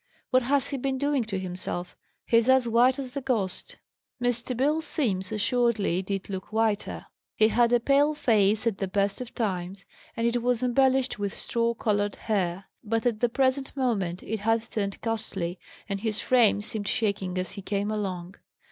"What has he been doing to himself? He's as white as the ghost!" Mr. Bill Simms assuredly did look white. He had a pale face at the best of times, and it was embellished with straw coloured hair. But at the present moment it had turned ghastly, and his frame seemed shaking as he came along.